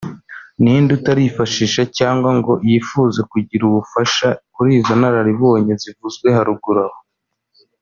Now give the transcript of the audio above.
ni nde utarifashisha cyangwa ngo yifuze kugira ubufasha kuri izo nararibonye zivuzwe haruguru aho